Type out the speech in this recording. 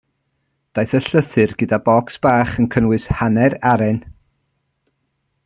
Daeth y llythyr gyda bocs bach yn cynnwys hanner aren.